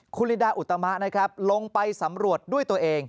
คุณลินดาอุตมะนะครับลงไปสำรวจด้วยตัวเอง